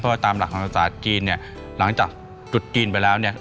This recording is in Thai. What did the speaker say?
เพราะว่าตามหลักธรรมศาสตร์จีนเนี่ยหลังจากจุดจีนไปแล้วเนี่ย